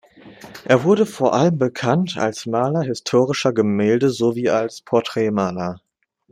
Er wurde vor allem bekannt als Maler historischer Gemälde sowie als Porträtmaler.